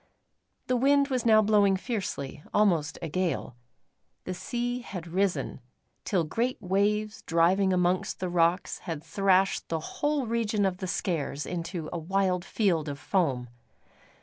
The wind was now blowing fiercely, almost a gale. The sea had risen, till great waves driving amongst the rocks had thrashed the whole region of the Skares into a wild field of foam.